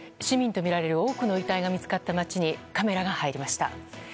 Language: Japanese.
市民とみられる多くの遺体が見つかった街にカメラが入りました。